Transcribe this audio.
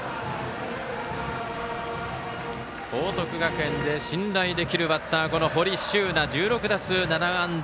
報徳学園で信頼できるバッター堀柊那１６打数７安打。